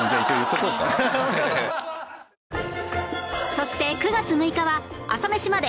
そして９月６日は『朝メシまで。』